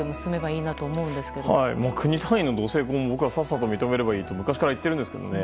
国単位の同性婚を僕はさっさと認めればいいと昔から言ってるんですけどね。